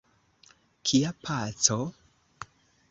Kia paco?